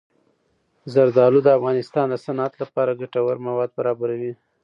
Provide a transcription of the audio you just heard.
زردالو د افغانستان د صنعت لپاره ګټور مواد برابروي.